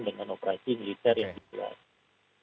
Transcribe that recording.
dengan operasi militer yang digelar